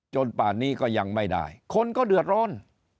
ป่านนี้ก็ยังไม่ได้คนก็เดือดร้อน